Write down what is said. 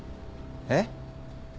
えっ？